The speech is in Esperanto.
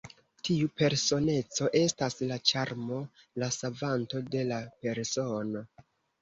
Tiu personeco estas la ĉarmo, la savanto de la persono.